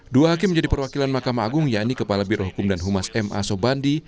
dua hakim menjadi perwakilan mahkamah agung yakni kepala birohukum dan humas ma sobandi